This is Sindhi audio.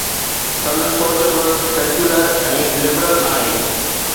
سندس سوچ به سيڪيولر ۽ لبرل آهي.